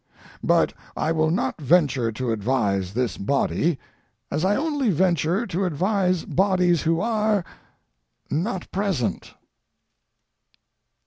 But I will not venture to advise this body, as I only venture to advise bodies who are, not present.